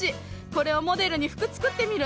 これをモデルに服作ってみる！